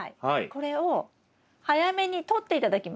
これを早めにとって頂きます。